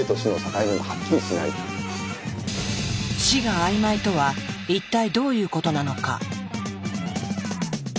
死があいまいとは一体どういうことなのか。